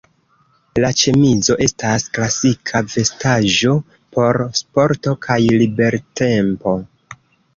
La ĉemizo estas klasika vestaĵo por sporto kaj libertempo.